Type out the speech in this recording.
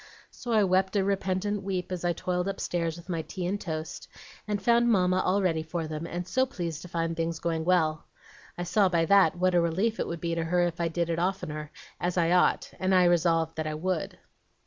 So I wept a repentant weep as I toiled upstairs with my tea and toast, and found Mamma all ready for them, and so pleased to find things going well. I saw by that what a relief it would be to her if I did it oftener, as I ought, and as I resolved that I would.